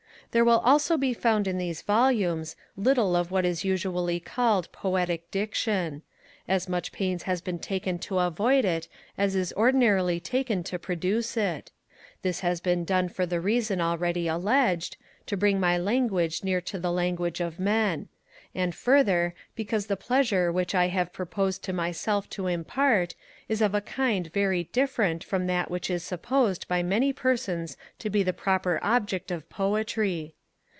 There will also be found in these volumes little of what is usually called poetic diction; as much pains has been taken to avoid it as is ordinarily taken to produce it; this has been done for the reason already alleged, to bring my language near to the language of men; and further, because the pleasure which I have proposed to myself to impart, is of a kind very different from that which is supposed by many persons to be the proper object of poetry.